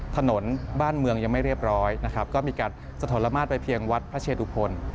ถนนบ้านเมืองยังไม่เรียบร้อยนะครับก็มีการสะทนละมาตรไปเพียงวัดพระเชดุพล